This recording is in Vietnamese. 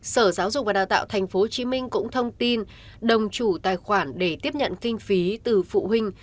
sở giáo dục và đào tạo tp hcm cũng thông tin đồng chủ tài khoản để tiếp nhận kinh phí từ phụ huynh